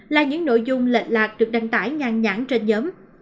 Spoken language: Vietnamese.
là những nội dung lệch lạc được đăng tải ngang nhãn trên nhóm